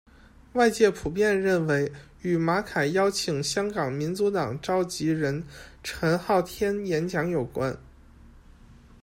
外界普遍认为与马凯邀请香港民族党召集人陈浩天演讲有关。